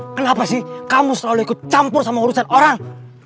kenapa sih kamu selalu ikut campur sama urusan orang